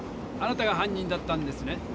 あなたが犯人だったんですね？